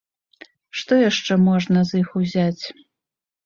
Што яшчэ можна з іх узяць.